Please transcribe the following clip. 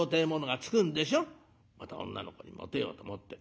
また女の子にモテようと思って。